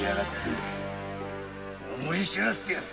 大岡に思い知らせてやる‼